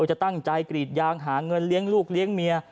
จะตั้งใจกรีดยางหาเงินเลี้ยงลูกเลี้ยงเมีย